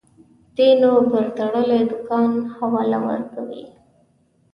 دى نو پر تړلي دوکان حواله ورکوي.